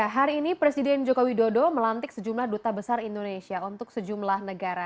hari ini presiden joko widodo melantik sejumlah duta besar indonesia untuk sejumlah negara